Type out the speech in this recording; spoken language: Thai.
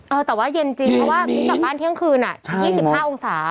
เออแต่ว่าเย็นจริงเพราะว่ามิ้นกลับบ้านเที่ยงคืน๒๕องศา